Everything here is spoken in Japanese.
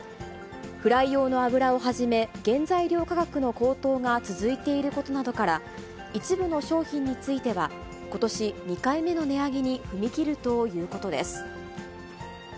フライ用の油をはじめ、原材料価格の高騰が続いていることなどから、一部の商品については、ことし２回目の値上げに踏み切るということです。